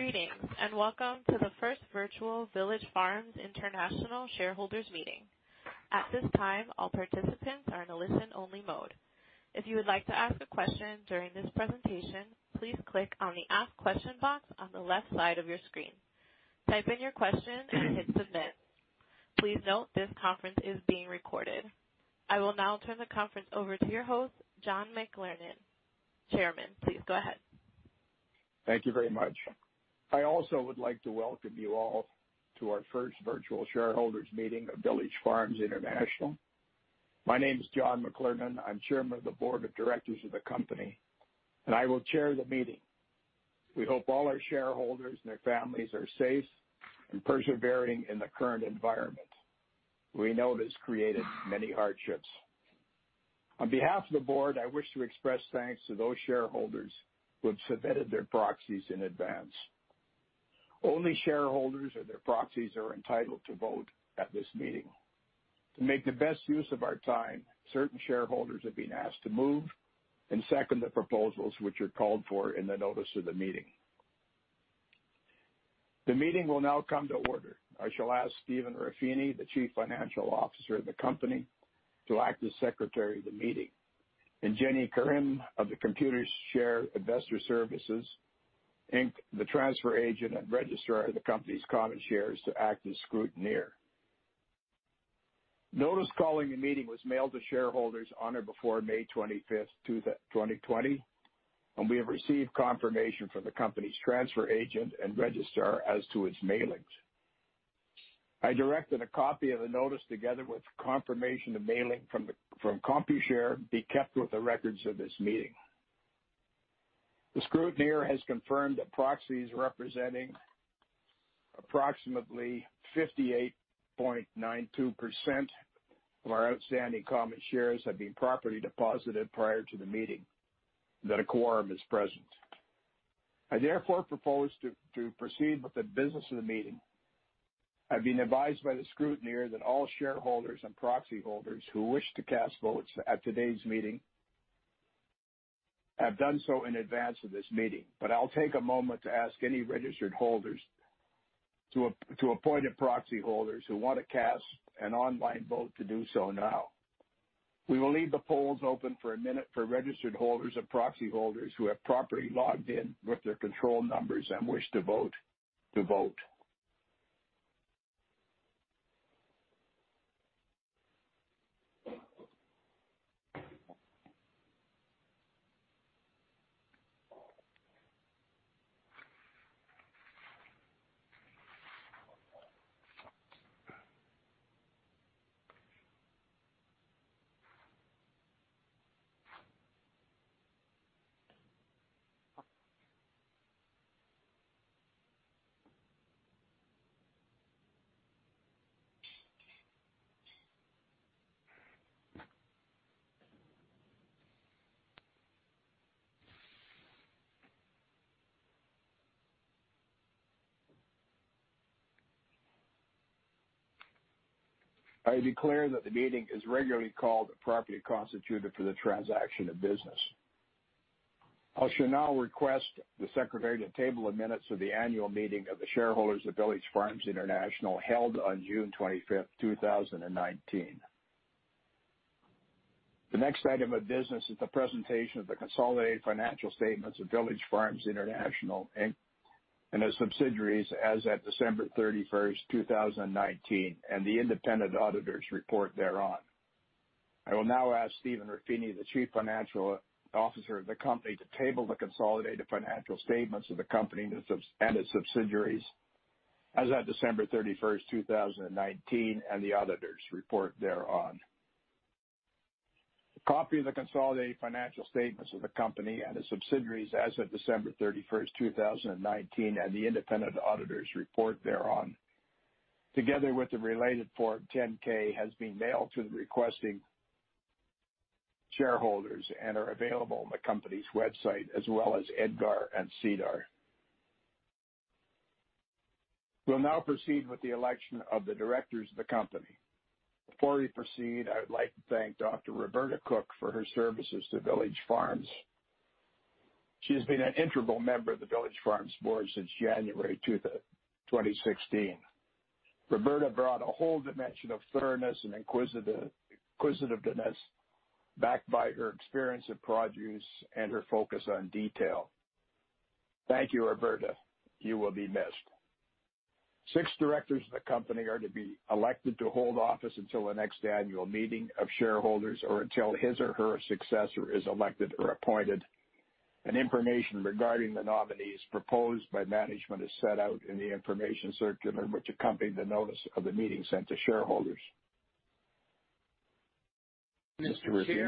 Greetings, welcome to the first virtual Village Farms International shareholders' meeting. At this time, all participants are in a listen-only mode. If you would like to ask a question during this presentation, please click on the Ask Question box on the left side of your screen. Type in your question and hit submit. Please note, this conference is being recorded. I will now turn the conference over to your host, John McLernon. Chairman, please go ahead. Thank you very much. I also would like to welcome you all to our first virtual shareholders meeting of Village Farms International. My name is John McLernon. I'm chairman of the board of directors of the company, and I will chair the meeting. We hope all our shareholders and their families are safe and persevering in the current environment. We know it has created many hardships. On behalf of the board, I wish to express thanks to those shareholders who have submitted their proxies in advance. Only shareholders or their proxies are entitled to vote at this meeting. To make the best use of our time, certain shareholders have been asked to move and second the proposals which are called for in the notice of the meeting. The meeting will now come to order. I shall ask Stephen Ruffini, the Chief Financial Officer of the company, to act as secretary of the meeting, and Jenny Karim of Computershare Investor Services Inc., the transfer agent and registrar of the company's common shares, to act as scrutineer. Notice calling the meeting was mailed to shareholders on or before May 25th, 2020. We have received confirmation from the company's transfer agent and registrar as to its mailings. I directed a copy of the notice, together with confirmation of mailing from Computershare, be kept with the records of this meeting. The scrutineer has confirmed that proxies representing approximately 58.92% of our outstanding common shares have been properly deposited prior to the meeting, and that a quorum is present. I therefore propose to proceed with the business of the meeting. I've been advised by the scrutineer that all shareholders and proxy holders who wish to cast votes at today's meeting have done so in advance of this meeting. I'll take a moment to ask any registered holders to appoint a proxy holders who want to cast an online vote to do so now. We will leave the polls open for one minute for registered holders and proxy holders who have properly logged in with their control numbers and wish to vote. I declare that the meeting is regularly called and properly constituted for the transaction of business. I shall now request the secretary to table the minutes of the annual meeting of the shareholders of Village Farms International held on June 25th, 2019. The next item of business is the presentation of the consolidated financial statements of Village Farms International Inc. and its subsidiaries as at December 31st, 2019, and the independent auditors' report thereon. I will now ask Stephen C. Ruffini, the Chief Financial Officer of the company, to table the consolidated financial statements of the company and its subsidiaries as at December 31st, 2019, and the auditors' report thereon. A copy of the consolidated financial statements of the company and its subsidiaries as of December 31st, 2019, and the independent auditors' report thereon, together with the related Form 10-K, has been mailed to the requesting shareholders and are available on the company's website as well as EDGAR and SEDAR. We'll now proceed with the election of the directors of the company. Before we proceed, I would like to thank Dr. Roberta Cook for her services to Village Farms. She has been an integral member of the Village Farms board since January 2016. Roberta brought a whole dimension of thoroughness and inquisitiveness, backed by her experience in produce and her focus on detail. Thank you, Roberta. You will be missed. Six directors of the company are to be elected to hold office until the next annual meeting of shareholders, or until his or her successor is elected or appointed, and information regarding the nominees proposed by management is set out in the information circular which accompanied the notice of the meeting sent to shareholders. Mr. Ruffini?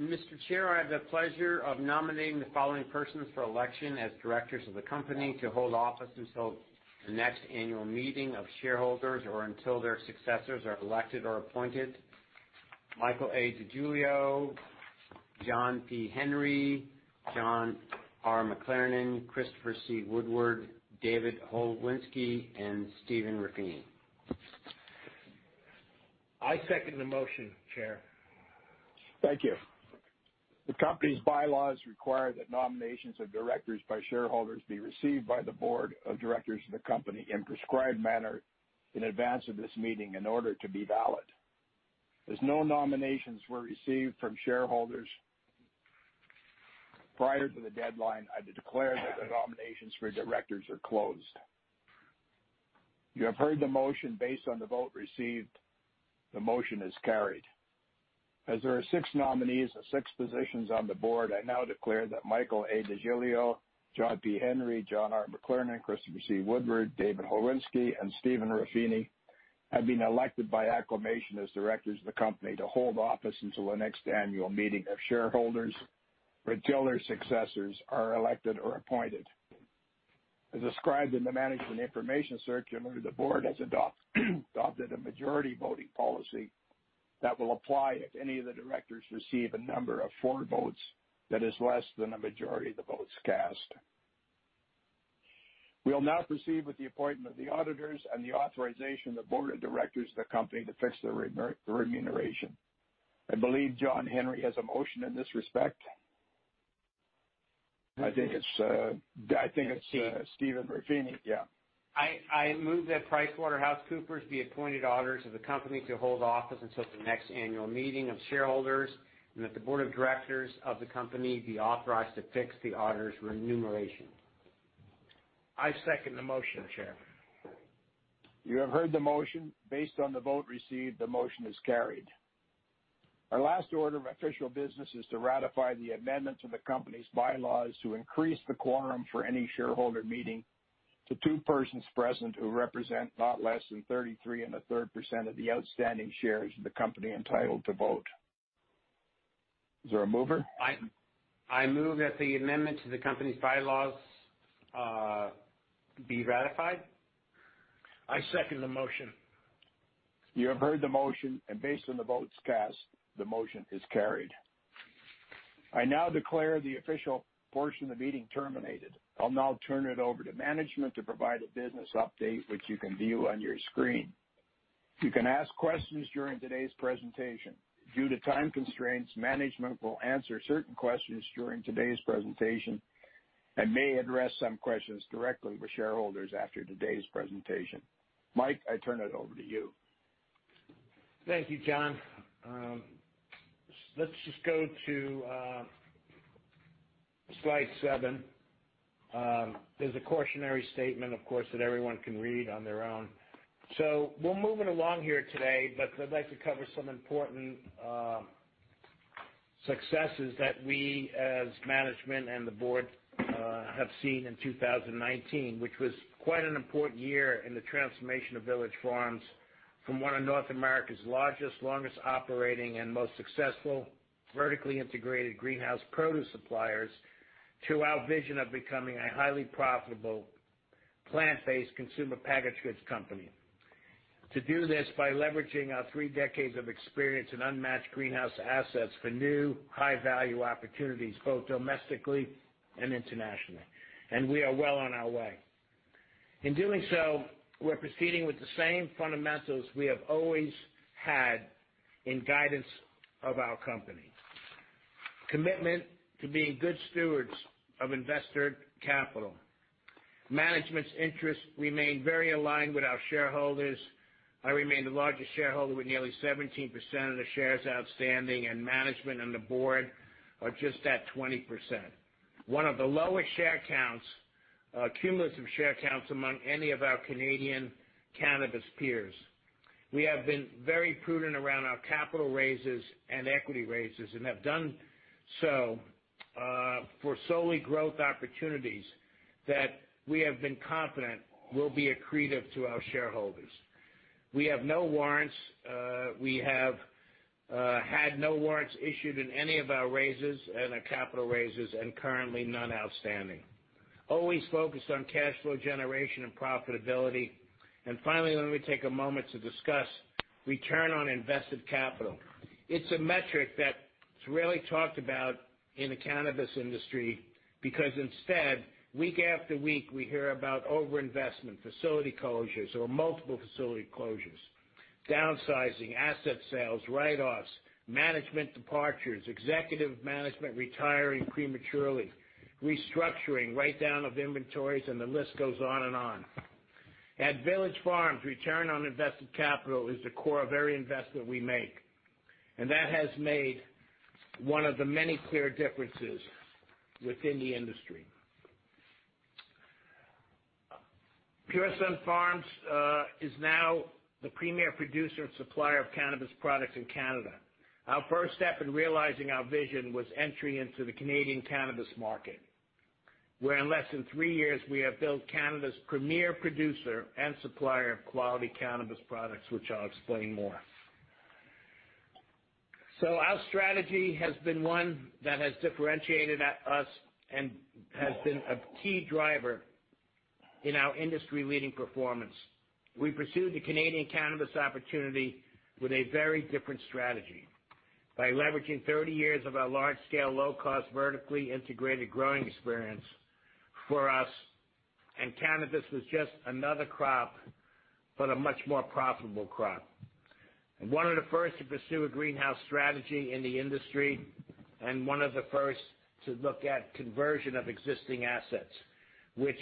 Mr. Chair, I have the pleasure of nominating the following persons for election as directors of the company to hold office until the next annual meeting of shareholders, or until their successors are elected or appointed. Michael A. DeGiglio, John P. Henry, John R. McLernon, Christopher C. Woodward, David Holewinski, and Stephen Ruffini. I second the motion, Chair. Thank you. The company's bylaws require that nominations of directors by shareholders be received by the board of directors of the company in prescribed manner in advance of this meeting in order to be valid. As no nominations were received from shareholders prior to the deadline, I declare that the nominations for directors are closed. You have heard the motion. Based on the vote received, the motion is carried. As there are six nominees and six positions on the board, I now declare that Michael A. DeGiglio, John P. Henry, John R. McLernon, Christopher C. Woodward, David Holewinski, and Stephen Ruffini have been elected by acclamation as directors of the company to hold office until the next annual meeting of shareholders, or until their successors are elected or appointed. As described in the management information circular, the Board has adopted a majority voting policy that will apply if any of the Directors receive a number of four votes that is less than a majority of the votes cast. We will now proceed with the appointment of the auditors and the authorization of the Board of Directors of the company to fix their remuneration. I believe John Henry has a motion in this respect. Stephen Stephen Ruffini. Yeah. I move that PricewaterhouseCoopers be appointed auditors of the company to hold office until the next annual meeting of shareholders, and that the board of directors of the company be authorized to fix the auditors' remuneration. I second the motion, Chair. You have heard the motion. Based on the vote received, the motion is carried. Our last order of official business is to ratify the amendment to the company's bylaws to increase the quorum for any shareholder meeting to two persons present who represent not less than 33.3% of the outstanding shares of the company entitled to vote. Is there a mover? I move that the amendment to the company's bylaws be ratified. I second the motion. You have heard the motion, and based on the votes cast, the motion is carried. I now declare the official portion of the meeting terminated. I'll now turn it over to management to provide a business update, which you can view on your screen. You can ask questions during today's presentation. Due to time constraints, management will answer certain questions during today's presentation and may address some questions directly with shareholders after today's presentation. Mike, I turn it over to you. Thank you, John. Let's just go to slide seven. There's a cautionary statement, of course, that everyone can read on their own. We're moving along here today, but I'd like to cover some important successes that we, as management and the board, have seen in 2019, which was quite an important year in the transformation of Village Farms from one of North America's largest, longest operating and most successful vertically integrated greenhouse produce suppliers, to our vision of becoming a highly profitable plant-based consumer packaged goods company. To do this by leveraging our three decades of experience in unmatched greenhouse assets for new, high-value opportunities, both domestically and internationally. We are well on our way. In doing so, we're proceeding with the same fundamentals we have always had in guidance of our company. Commitment to being good stewards of investor capital. Management's interests remain very aligned with our shareholders. I remain the largest shareholder, with nearly 17% of the shares outstanding, and management and the board are just at 20%. One of the lowest share counts, cumulative share counts, among any of our Canadian cannabis peers. We have been very prudent around our capital raises and equity raises, and have done so for solely growth opportunities that we have been confident will be accretive to our shareholders. We have no warrants. We have had no warrants issued in any of our raises and our capital raises, and currently none outstanding. Always focused on cash flow generation and profitability. Finally, let me take a moment to discuss return on invested capital. It's a metric that's rarely talked about in the cannabis industry because instead, week after week, we hear about overinvestment, facility closures or multiple facility closures, downsizing, asset sales, write-offs, management departures, executive management retiring prematurely, restructuring, write-down of inventories, and the list goes on and on. At Village Farms, return on invested capital is the core of every investment we make, and that has made one of the many clear differences within the industry. Pure Sunfarms is now the premier producer and supplier of cannabis products in Canada. Our first step in realizing our vision was entry into the Canadian cannabis market, where in less than three years, we have built Canada's premier producer and supplier of quality cannabis products, which I'll explain more. Our strategy has been one that has differentiated us and has been a key driver in our industry-leading performance. We pursued the Canadian cannabis opportunity with a very different strategy. By leveraging 30 years of our large-scale, low-cost, vertically integrated growing experience for us, cannabis was just another crop, but a much more profitable crop. One of the first to pursue a greenhouse strategy in the industry, and one of the first to look at conversion of existing assets, which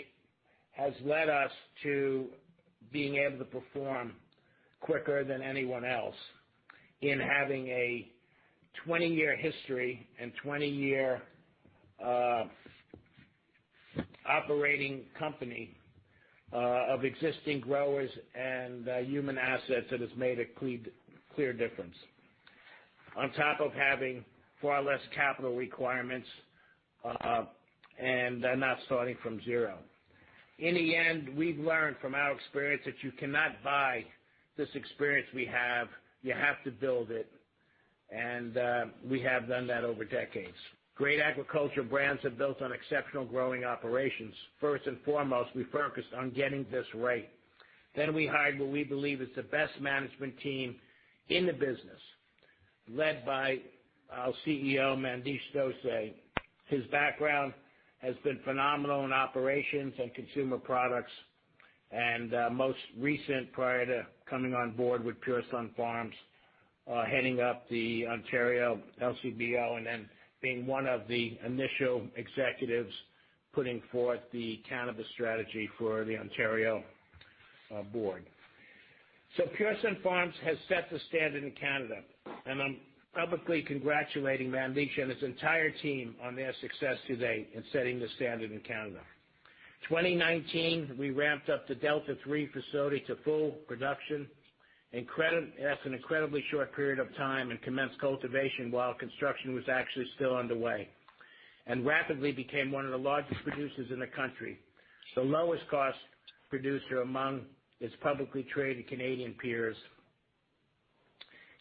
has led us to being able to perform quicker than anyone else in having a 20-year history and 20-year operating company of existing growers and human assets, that has made a clear difference. On top of having far less capital requirements, and not starting from zero. In the end, we've learned from our experience that you cannot buy this experience we have. You have to build it, and we have done that over decades. Great agriculture brands have built on exceptional growing operations. First and foremost, we focused on getting this right. We hired what we believe is the best management team in the business, led by our CEO, Mandesh Dosanjh. His background has been phenomenal in operations and consumer products, and most recent, prior to coming on board with Pure Sunfarms, heading up the Ontario LCBO and then being one of the initial executives putting forth the cannabis strategy for the Ontario Board. Pure Sunfarms has set the standard in Canada, and I'm publicly congratulating Mandesh and his entire team on their success today in setting the standard in Canada. 2019, we ramped up the Delta 3 facility to full production in an incredibly short period of time and commenced cultivation while construction was actually still underway and rapidly became one of the largest producers in the country, the lowest cost producer among its publicly traded Canadian peers.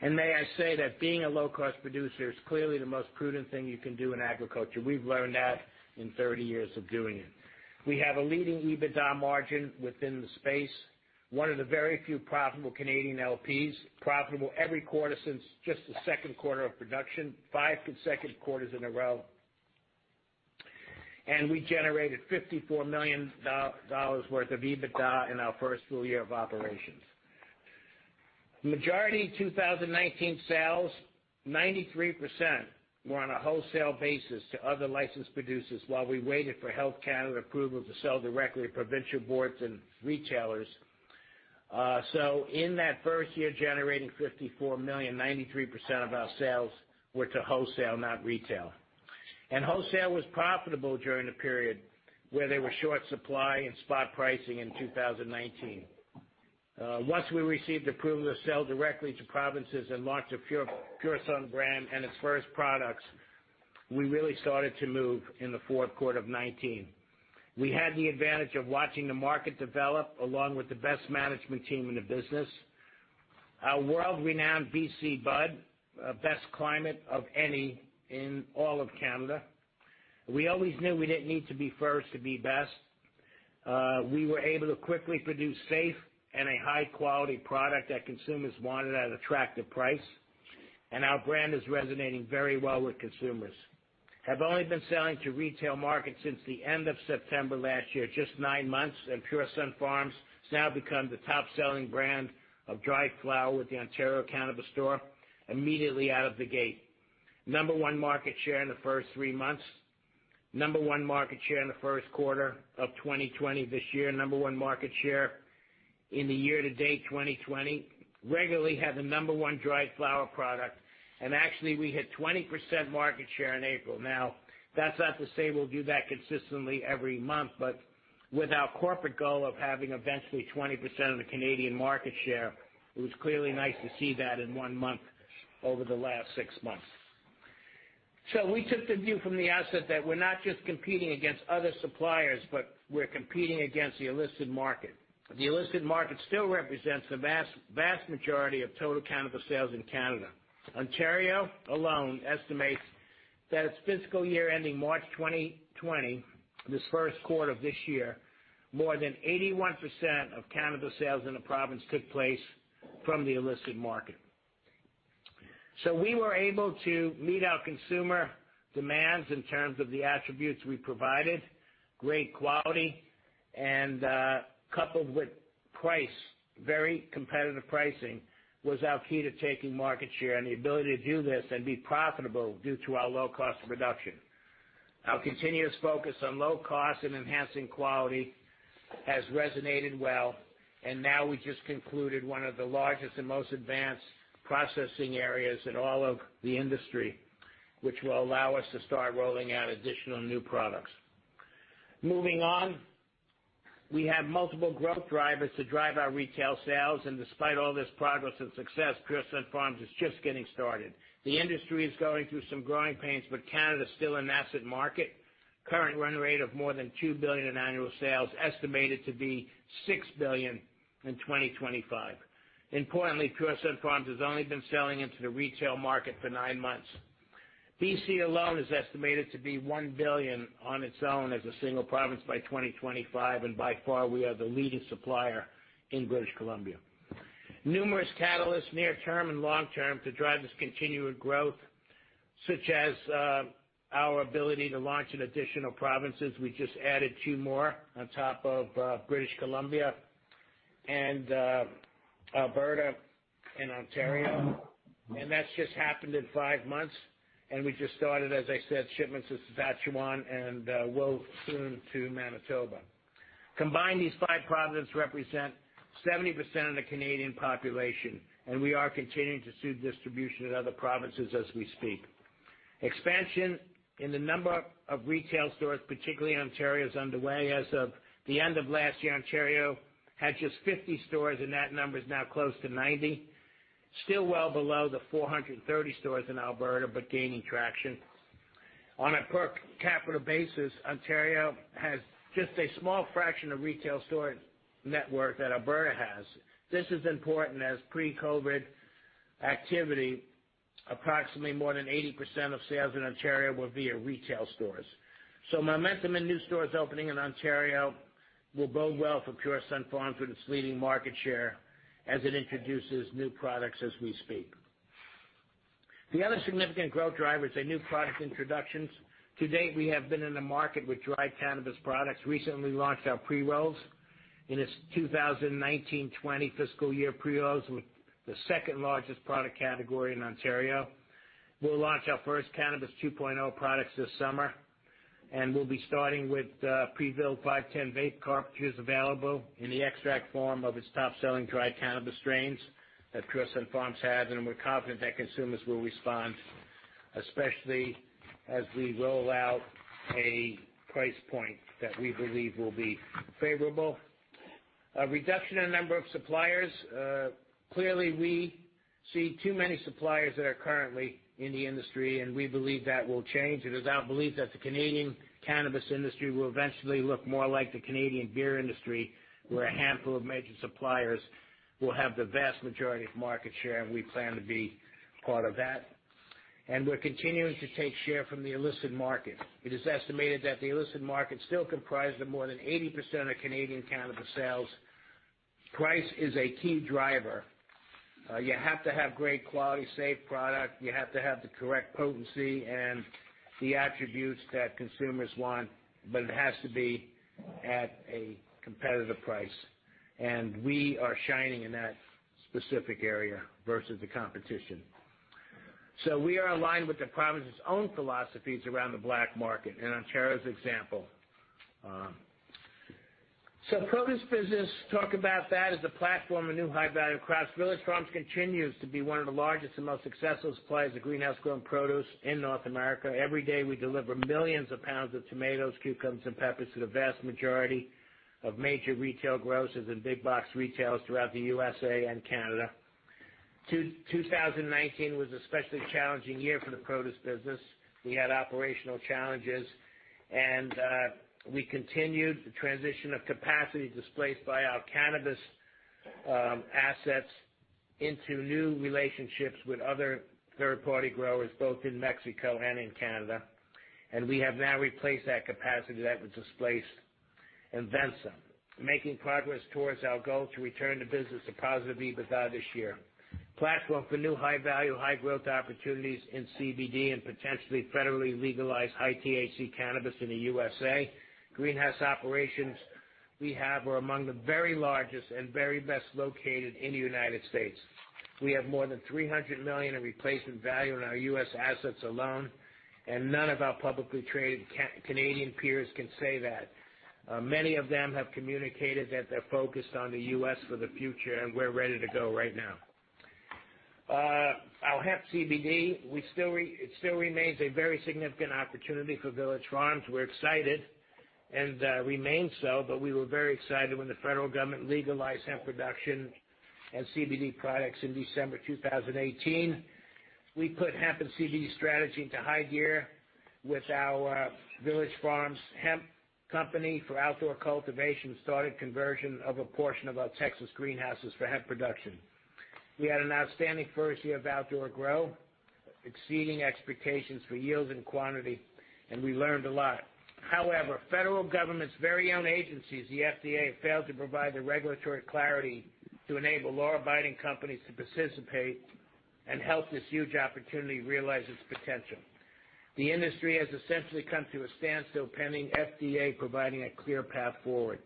May I say that being a low-cost producer is clearly the most prudent thing you can do in agriculture. We've learned that in 30 years of doing it. We have a leading EBITDA margin within the space. One of the very few profitable Canadian LPs, profitable every quarter since just the second quarter of production, five consecutive quarters in a row. We generated 54 million dollars worth of EBITDA in our first full year of operations. Majority of 2019 sales, 93%, were on a wholesale basis to other licensed producers while we waited for Health Canada approval to sell directly to provincial boards and retailers. In that first year, generating 54 million, 93% of our sales were to wholesale, not retail. Wholesale was profitable during the period where there were short supply and spot pricing in 2019. Once we received approval to sell directly to provinces and launched the Pure Sun brand and its first products, we really started to move in the fourth quarter of 2019. We had the advantage of watching the market develop, along with the best management team in the business. Our world-renowned BC Bud, best climate of any in all of Canada. We always knew we didn't need to be first to be best. We were able to quickly produce safe and a high-quality product that consumers wanted at an attractive price. Our brand is resonating very well with consumers. We have only been selling to retail markets since the end of September last year, just nine months, and Pure Sunfarms has now become the top-selling brand of dried flower with the Ontario Cannabis Store immediately out of the gate. Number one market share in the first three months. Number one market share in the first quarter of 2020 this year. Number one market share in the year to date 2020. Regularly have the number one dried flower product, and actually, we hit 20% market share in April. Now, that's not to say we'll do that consistently every month, but with our corporate goal of having eventually 20% of the Canadian market share, it was clearly nice to see that in one month over the last six months. We took the view from the outset that we're not just competing against other suppliers, but we're competing against the illicit market. The illicit market still represents the vast majority of total cannabis sales in Canada. Ontario alone estimates that its fiscal year ending March 2020, this first quarter of this year, more than 81% of cannabis sales in the province took place from the illicit market. We were able to meet our consumer demands in terms of the attributes we provided. Great quality and, coupled with price, very competitive pricing was our key to taking market share and the ability to do this and be profitable due to our low cost of production. Our continuous focus on low cost and enhancing quality has resonated well, and now we just concluded one of the largest and most advanced processing areas in all of the industry, which will allow us to start rolling out additional new products. Moving on, we have multiple growth drivers to drive our retail sales, and despite all this progress and success, Pure Sunfarms is just getting started. The industry is going through some growing pains, but Canada is still a massive market. Current run rate of more than 2 billion in annual sales, estimated to be 6 billion in 2025. Importantly, Pure Sunfarms has only been selling into the retail market for nine months. B.C. alone is estimated to be 1 billion on its own as a single province by 2025, and by far, we are the leading supplier in British Columbia. Numerous catalysts near-term and long-term to drive this continued growth, such as our ability to launch in additional provinces. We just added two more on top of British Columbia and Alberta and Ontario, and that's just happened in five months. We just started, as I said, shipments to Saskatchewan and will soon to Manitoba. Combined, these five provinces represent 70% of the Canadian population, and we are continuing to seek distribution in other provinces as we speak. Expansion in the number of retail stores, particularly in Ontario, is underway. As of the end of last year, Ontario had just 50 stores. That number is now close to 90. Still well below the 430 stores in Alberta. Gaining traction. On a per capita basis, Ontario has just a small fraction of retail store network that Alberta has. This is important as pre-COVID activity, approximately more than 80% of sales in Ontario were via retail stores. Momentum in new stores opening in Ontario will bode well for Pure Sunfarms with its leading market share as it introduces new products as we speak. The other significant growth drivers are new product introductions. To date, we have been in the market with dried cannabis products. We recently launched our pre-rolls. In its 2019-20 fiscal year, pre-rolls were the second-largest product category in Ontario. We'll launch our first Cannabis 2.0 products this summer, and we'll be starting with pre-filled 510 vape cartridges available in the extract form of its top-selling dried cannabis strains that Pure Sunfarms has. We're confident that consumers will respond, especially as we roll out a price point that we believe will be favorable. A reduction in number of suppliers. Clearly, we see too many suppliers that are currently in the industry, and we believe that will change. It is our belief that the Canadian cannabis industry will eventually look more like the Canadian beer industry, where a handful of major suppliers will have the vast majority of market share, and we plan to be part of that. We're continuing to take share from the illicit market. It is estimated that the illicit market still comprises more than 80% of Canadian cannabis sales. Price is a key driver. You have to have great quality, safe product. You have to have the correct potency and the attributes that consumers want, but it has to be at a competitive price. We are shining in that specific area versus the competition. We are aligned with the province's own philosophies around the black market, in Ontario's example. Produce business, talk about that as a platform of new high-value crops. Village Farms continues to be one of the largest and most successful suppliers of greenhouse-grown produce in North America. Every day, we deliver millions of pounds of tomatoes, cucumbers, and peppers to the vast majority of major retail grocers and big box retailers throughout the U.S. and Canada. 2019 was especially challenging year for the produce business. We had operational challenges. We continued the transition of capacity displaced by our cannabis assets into new relationships with other third-party growers, both in Mexico and in Canada. We have now replaced that capacity that was displaced and then some, making progress towards our goal to return the business to positive EBITDA this year. Platform for new high-value, high-growth opportunities in CBD and potentially federally legalized high-THC cannabis in the USA. Greenhouse operations we have are among the very largest and very best located in the United States. We have more than 300 million in replacement value in our U.S. assets alone, and none of our publicly traded Canadian peers can say that. Many of them have communicated that they're focused on the U.S. for the future, and we're ready to go right now. Our hemp CBD, it still remains a very significant opportunity for Village Farms. We're excited and remain so. We were very excited when the federal government legalized hemp production and CBD products in December 2018. We put hemp and CBD strategy into high gear with our Village Fields Hemp company for outdoor cultivation, started conversion of a portion of our Texas greenhouses for hemp production. We had an outstanding first year of outdoor grow, exceeding expectations for yield and quantity. We learned a lot. However, federal government's very own agencies, the FDA, failed to provide the regulatory clarity to enable law-abiding companies to participate and help this huge opportunity realize its potential. The industry has essentially come to a standstill pending FDA providing a clear path forward.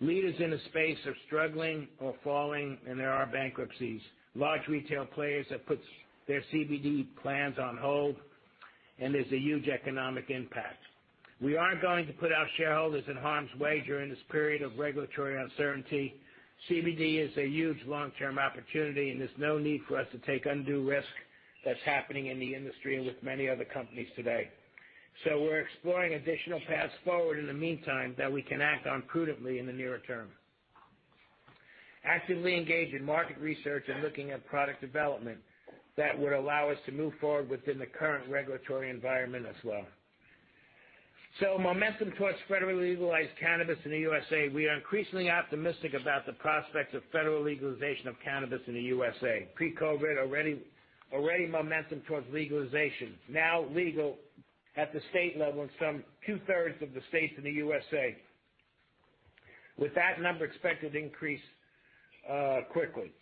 Leaders in the space are struggling or falling. There are bankruptcies. Large retail players have put their CBD plans on hold. There's a huge economic impact. We aren't going to put our shareholders in harm's way during this period of regulatory uncertainty. CBD is a huge long-term opportunity, and there's no need for us to take undue risk that's happening in the industry and with many other companies today. We're exploring additional paths forward in the meantime that we can act on prudently in the nearer term. Actively engaged in market research and looking at product development that would allow us to move forward within the current regulatory environment as well. Momentum towards federally legalized cannabis in the U.S.A. We are increasingly optimistic about the prospects of federal legalization of cannabis in the U.S.A. Pre-COVID, already momentum towards legalization. Now legal at the state level in some two-thirds of the states in the U.S.A., with that number expected to increase quickly.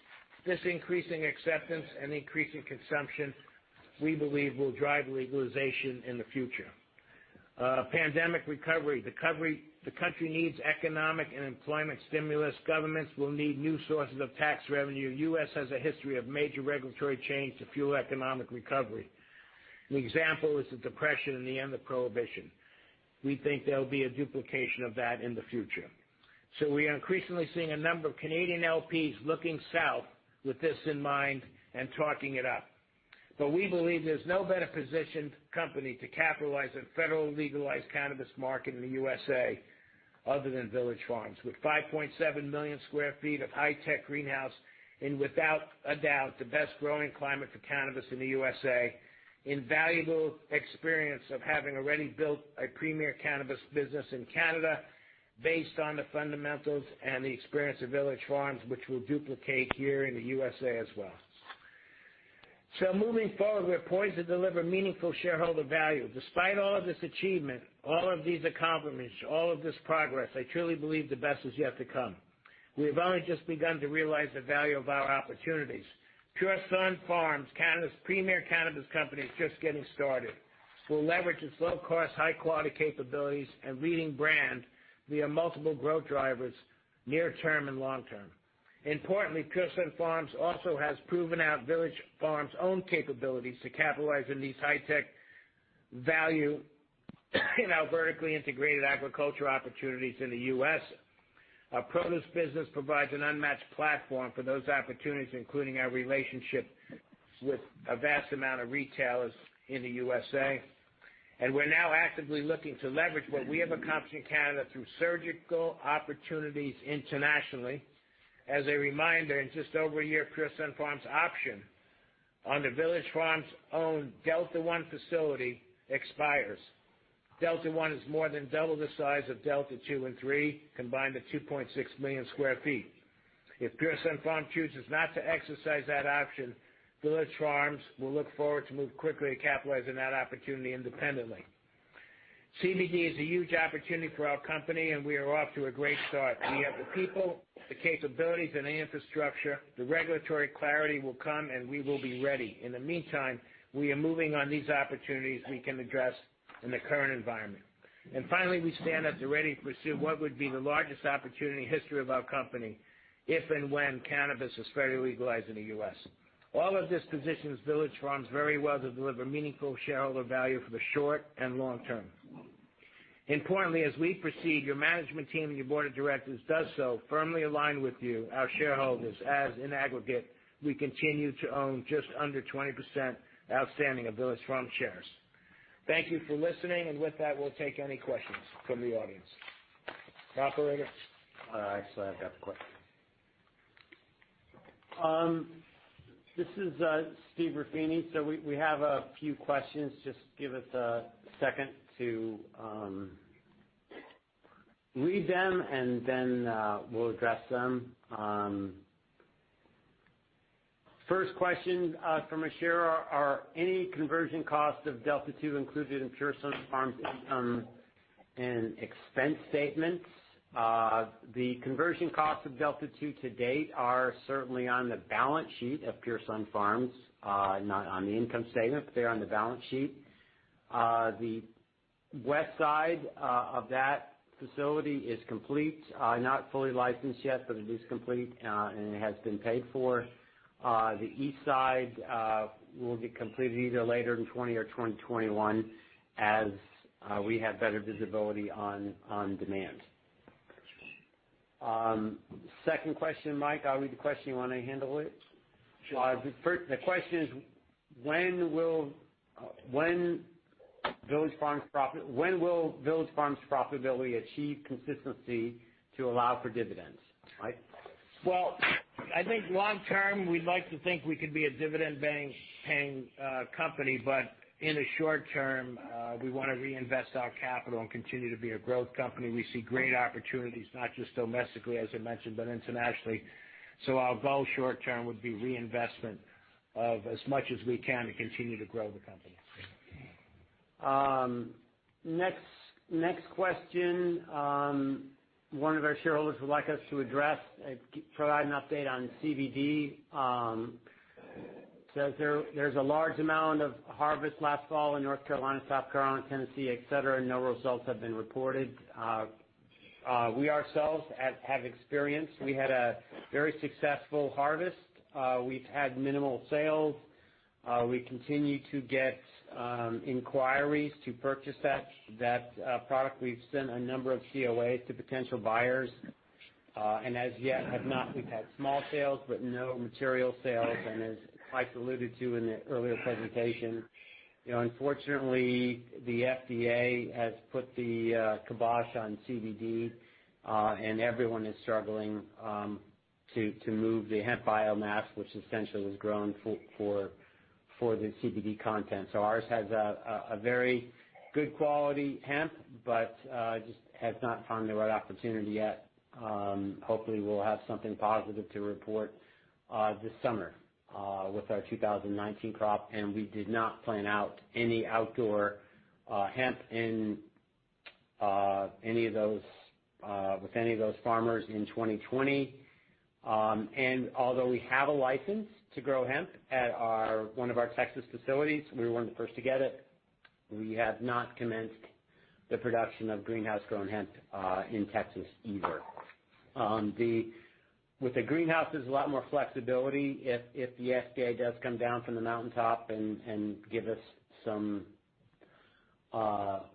This increasing acceptance and increasing consumption, we believe, will drive legalization in the future. Pandemic recovery. The country needs economic and employment stimulus. Governments will need new sources of tax revenue. U.S. has a history of major regulatory change to fuel economic recovery. An example is the Depression and the end of Prohibition. We think there'll be a duplication of that in the future. We are increasingly seeing a number of Canadian LPs looking south with this in mind and talking it up. We believe there's no better-positioned company to capitalize a federally legalized cannabis market in the USA other than Village Farms. With 5.7 million sq ft of high-tech greenhouse in, without a doubt, the best growing climate for cannabis in the USA, invaluable experience of having already built a premier cannabis business in Canada based on the fundamentals and the experience of Village Farms, which we'll duplicate here in the USA as well. Moving forward, we are poised to deliver meaningful shareholder value. Despite all of this achievement, all of these accomplishments, all of this progress, I truly believe the best is yet to come. We have only just begun to realize the value of our opportunities. Pure Sunfarms, Canada's premier cannabis company, is just getting started. We'll leverage its low-cost, high-quality capabilities and leading brand via multiple growth drivers near-term and long-term. Importantly, Pure Sunfarms also has proven out Village Farms' own capabilities to capitalize on these high-tech value in our vertically integrated agriculture opportunities in the U.S. Our produce business provides an unmatched platform for those opportunities, including our relationship with a vast amount of retailers in the USA. We're now actively looking to leverage what we have accomplished in Canada through surgical opportunities internationally. As a reminder, in just over a year, Pure Sunfarms' option on the Village Farms-owned Delta 1 facility expires. Delta 1 is more than double the size of Delta 2 and 3, combined at 2.6 million square feet. If Pure Sunfarms chooses not to exercise that option, Village Farms will look forward to move quickly to capitalizing that opportunity independently. CBD is a huge opportunity for our company, we are off to a great start. We have the people, the capabilities, and the infrastructure. The regulatory clarity will come, we will be ready. In the meantime, we are moving on these opportunities we can address in the current environment. Finally, we stand at the ready to pursue what would be the largest opportunity in the history of our company if and when cannabis is federally legalized in the U.S. All of this positions Village Farms very well to deliver meaningful shareholder value for the short and long term. Importantly, as we proceed, your management team and your board of directors does so firmly aligned with you, our shareholders, as in aggregate, we continue to own just under 20% outstanding of Village Farms shares. Thank you for listening, and with that, we'll take any questions from the audience. Operator? I still have that question. This is Steve Ruffini. We have a few questions. Just give us a second to read them and then we'll address them. First question from a shareholder, "Are any conversion costs of Delta 2 included in Pure Sunfarms' income and expense statements?" The conversion costs of Delta 2 to date are certainly on the balance sheet of Pure Sunfarms, not on the income statement, but they're on the balance sheet. The west side of that facility is complete. Not fully licensed yet, but it is complete, and it has been paid for. The east side will get completed either later in 2020 or 2021 as we have better visibility on demand. Second question. Mike, I'll read the question. You want to handle it? Sure. The question is, "When will Village Farms' profitability achieve consistency to allow for dividends?" Mike? Well, I think long term, we'd like to think we could be a dividend-paying company. In the short term, we want to reinvest our capital and continue to be a growth company. We see great opportunities, not just domestically, as I mentioned, but internationally. Our goal short term would be reinvestment of as much as we can to continue to grow the company. Next question. One of our shareholders would like us to address, provide an update on CBD. Says there's a large amount of harvest last fall in North Carolina, South Carolina, Tennessee, et cetera. No results have been reported. We ourselves have experienced. We had a very successful harvest. We've had minimal sales. We continue to get inquiries to purchase that product. We've sent a number of COAs to potential buyers. As yet, we've had small sales, but no material sales. As Mike alluded to in the earlier presentation, unfortunately the FDA has put the kibosh on CBD, and everyone is struggling to move the hemp biomass, which essentially was grown for the CBD content. Ours has a very good quality hemp, but just have not found the right opportunity yet. Hopefully, we'll have something positive to report this summer with our 2019 crop. We did not plan out any outdoor hemp with any of those farmers in 2020. Although we have a license to grow hemp at one of our Texas facilities, we were one of the first to get it, we have not commenced the production of greenhouse-grown hemp in Texas either. With the greenhouse, there's a lot more flexibility if the FDA does come down from the mountaintop and give us some Well,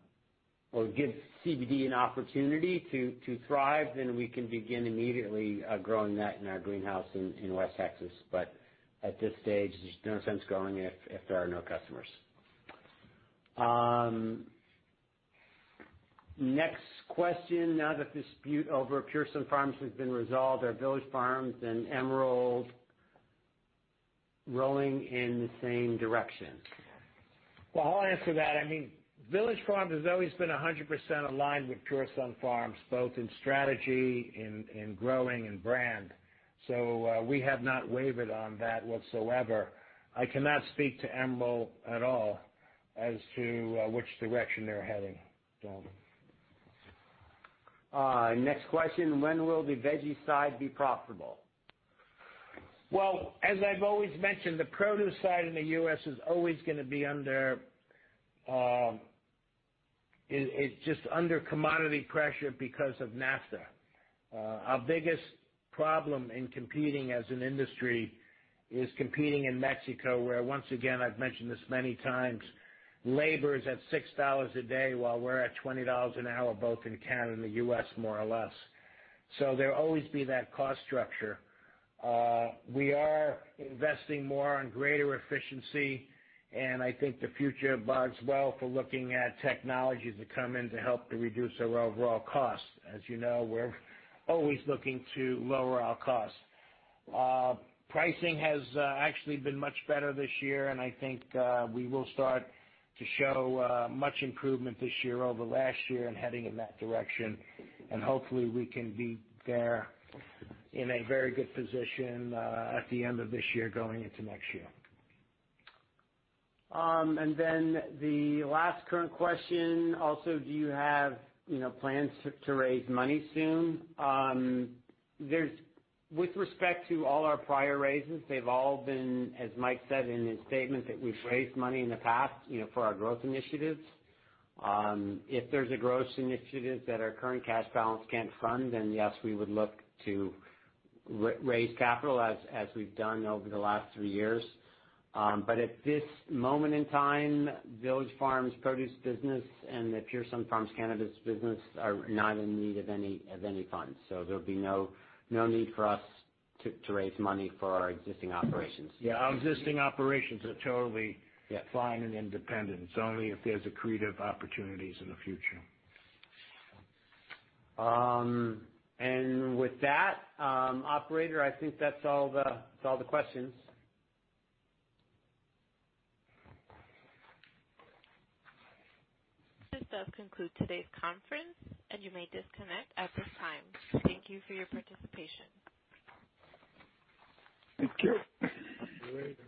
give CBD an opportunity to thrive, then we can begin immediately growing that in our greenhouse in West Texas. At this stage, there's no sense growing if there are no customers. Next question. Now the dispute over Pure Sunfarms has been resolved, are Village Farms and Emerald rowing in the same direction? Well, I'll answer that. Village Farms has always been 100% aligned with Pure Sunfarms, both in strategy, in growing, and brand. We have not wavered on that whatsoever. I cannot speak to Emerald at all as to which direction they're heading. Next question. When will the veggie side be profitable? Well, as I've always mentioned, the produce side in the U.S. is always going to be under commodity pressure because of NAFTA. Our biggest problem in competing as an industry is competing in Mexico, where once again, I've mentioned this many times, labor is at 6 dollars a day while we're at 20 dollars an hour, both in Canada and the U.S., more or less. There will always be that cost structure. We are investing more on greater efficiency, and I think the future bodes well for looking at technologies that come in to help to reduce our overall costs. As you know, we're always looking to lower our costs. Pricing has actually been much better this year, and I think we will start to show much improvement this year over last year and heading in that direction. Hopefully we can be there in a very good position at the end of this year, going into next year. The last current question. Also, do you have plans to raise money soon? With respect to all our prior raises, they've all been, as Mike said in his statement, that we've raised money in the past for our growth initiatives. If there's a growth initiative that our current cash balance can't fund, yes, we would look to raise capital as we've done over the last three years. At this moment in time, Village Farms produce business and the Pure Sunfarms cannabis business are not in need of any funds. There'll be no need for us to raise money for our existing operations. Yeah. Our existing operations are. Yeah fine and independent. It's only if there's accretive opportunities in the future. With that, operator, I think that's all the questions. This does conclude today's conference, and you may disconnect at this time. Thank you for your participation. Thank you. See you later.